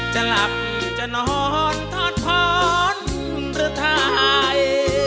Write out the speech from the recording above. จะหลับจะนอนทอดพ้อนรถไทย